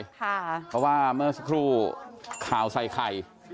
เพราะว่าเมื่อสักครู่ข่าวใส่ไข่